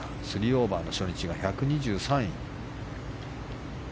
３オーバーで初日、１２３位。